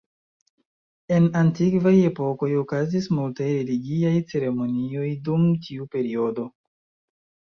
En antikvaj epokoj, okazis multaj religiaj ceremonioj dum tiu periodo.